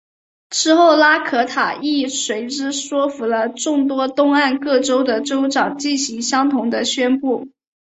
之后拉可塔亦随之说服了众多东岸各州的州长进行相同的宣布。